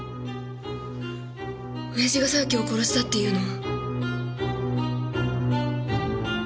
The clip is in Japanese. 親父が沢木を殺したっていうの？